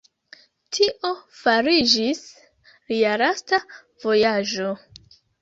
Tio fariĝis lia lasta vojaĝo.